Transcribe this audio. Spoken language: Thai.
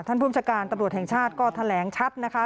ท่านพุทธการตำรวจแห่งชาติก็แถลงชัดนะคะ